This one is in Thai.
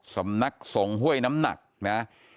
สำนักสงฆ์ห้วยน้ำหนักนะ